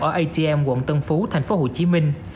ở atm quận tân phú thành phố hồ chí minh